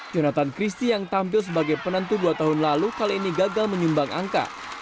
jonathan christie yang tampil sebagai penentu dua tahun lalu kali ini gagal menyumbang angka